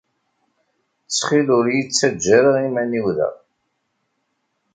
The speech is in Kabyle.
Ttxil ur iyi-ttaǧǧa ara iman-iw da.